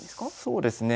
そうですね。